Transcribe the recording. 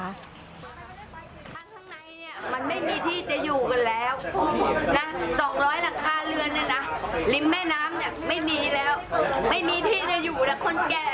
ไม่เคยมาเรียกร้องทีปีไม่เคยมาเรียกร้องเลย